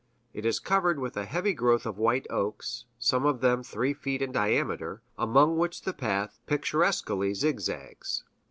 It is covered with a heavy growth of white oaks, some of them three feet in diameter, among which the path picturesquely zigzags.